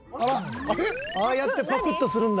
ああやってパクッとするんだ。